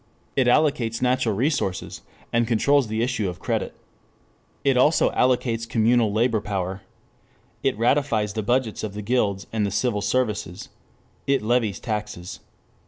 It allocates natural resources, and controls the issue of credit. It also "allocates communal labor power." It ratifies the budgets of the guilds and the civil services. It levies taxes.